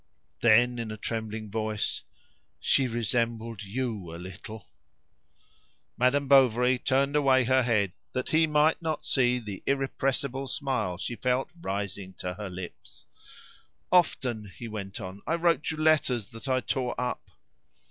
Then in a trembling voice, "She resembled you a little." Madame Bovary turned away her head that he might not see the irrepressible smile she felt rising to her lips. "Often," he went on, "I wrote you letters that I tore up."